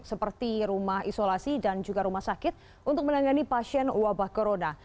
seperti rumah isolasi dan juga rumah sakit untuk menangani pasien wabah corona